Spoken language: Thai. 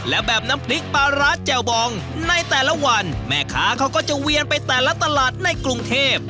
และแบบน้ำพริกปลาร้าแจ่วบองในแต่ละวันแม่ค้าเขาก็จะเวียนไปแต่ละตลาดในกรุงเทพ